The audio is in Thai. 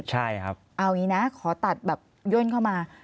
เอาอย่างนี้นะขอตัดแบบย่นเข้ามา